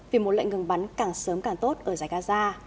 vì một lệnh ngừng bắn càng sớm càng tốt ở giải gaza